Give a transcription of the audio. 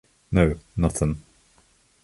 No nothing.